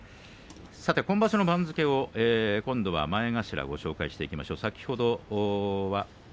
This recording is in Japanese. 今場所の番付をご紹介していきましょう。